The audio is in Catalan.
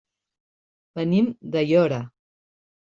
Venim d'Aiora.